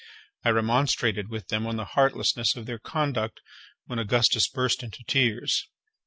I remonstrated with them on the heartlessness of their conduct, when Augustus burst into tears.